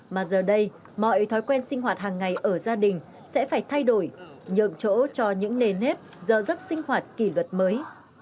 mà giờ đây mọi thói quen sinh hoạt hàng ngày ở gia đình sẽ phải thay đổi nhượng chỗ cho những nền nếp dơ dứt sinh hoạt kỳ luật mới